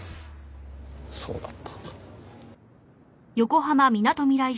そうだったんだ。